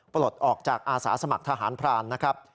ปลดออกจากอาสาสมัครทหารพรานนะครับ